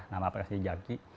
nama aplikasi jaki